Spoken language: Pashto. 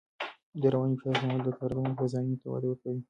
د رواني فشار کمول د کارکوونکو هوساینې ته وده ورکوي.